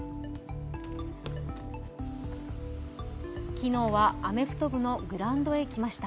昨日は、アメフト部のグラウンドへ行きました。